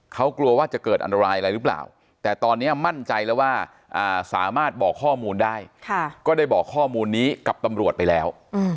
เขากลัวว่าจะเกิดอันตรายอะไรหรือเปล่าแต่ตอนนี้มั่นใจแล้วว่าสามารถบอกข้อมูลได้ก็ได้บอกข้อมูลนี้กับตำรวจไปแล้ว